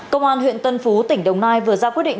công an huyện tân phú tỉnh đồng nai vừa ra quyết định